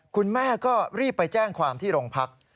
คุณแม่ก็รีบไปแจ้งความที่โรงพัก